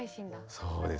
そうです。